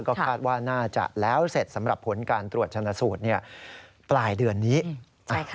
ก็คาดว่าน่าจะแล้วเสร็จสำหรับผลการตรวจชนะสูตรเนี่ยปลายเดือนนี้